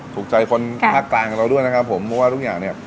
ถูกใจคนภาคกลางกับเราด้วยนะครับผมเพราะว่าทุกอย่างเนี่ย